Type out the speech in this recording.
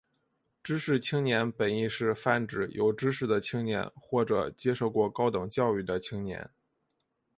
知识青年本义是泛指有知识的青年或者接受过高等教育的青年。